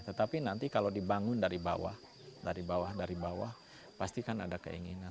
tetapi nanti kalau dibangun dari bawah dari bawah dari bawah pasti kan ada keinginan